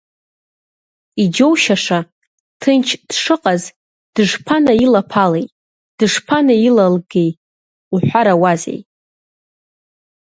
Иџьоушьаша, ҭынч дшыҟаз, дышԥанаилаԥалеи, дышԥанеилалгеи уҳәарауазеи!